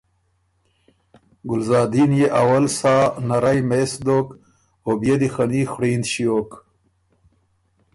ګلزادین يې اول سا نرئ مېس دوک او بيې دی خني خوړیند ݭیوک۔